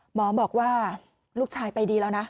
หมอบอกว่าลูกชายไปดีแล้วนะ